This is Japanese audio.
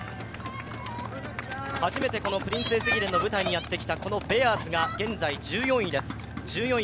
初めてこのプリンセス駅伝の舞台にやってきたベアーズが現在１４位です。